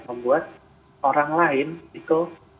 membuat orang lain di sini yang menyebutnya covid